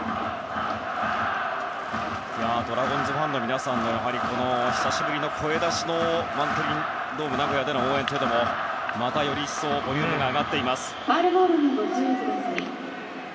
ドラゴンズファンの皆さんが久しぶりの声出しのバンテリンドームナゴヤでの応援というのもまたより一層ボリュームが上がっています。